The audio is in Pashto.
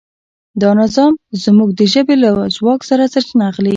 دا نظام زموږ د ژبې له ځواک څخه سرچینه اخلي.